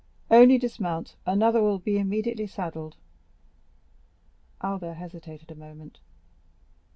"Only dismount; another will be immediately saddled." Albert hesitated a moment.